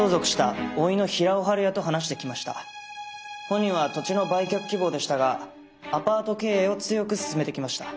本人は土地の売却希望でしたがアパート経営を強く勧めてきました。